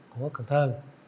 của cần thơ